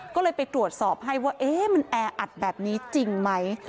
ก็เลยไปตรวจสอบให้ว่ามันแออัดแบบนี้จริงไหม